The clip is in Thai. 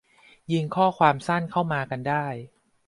ยิงข้อความสั้นเข้ามากันได้